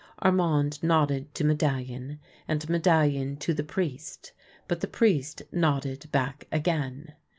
Armand nodded to Medallion, and Medallion to the priest, but the priest nodded back again.